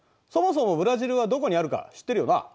そもそもブラジルはどこにあるか知ってるよな？